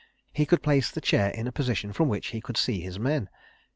He could place the chair in a position from which he could see his men.